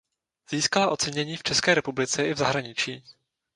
Získala ocenění v České republice i v zahraničí.